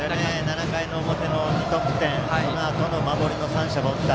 ７回の表の２得点そのあとの守りの三者凡退。